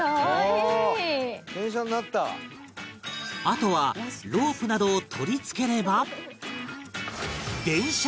あとはロープなどを取り付ければ